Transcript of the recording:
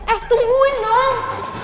eh tungguin dong